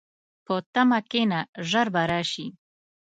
په تمه کښېنه، ژر به راشي.